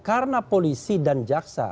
karena polisi dan jaksa